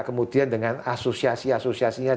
kemudian dengan asosiasi asosiasinya